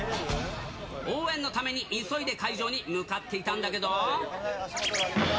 応援のために、急いで会場に向かっていたんだけど。